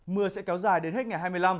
mưa sẽ kéo dài đến hết ngày hai mươi năm